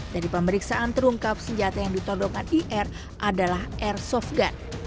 dari pemeriksaan terungkap senjata yang ditodongkan ir adalah air soft gun